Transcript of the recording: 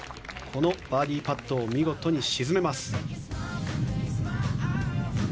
このバーディーパットを見事に沈めます。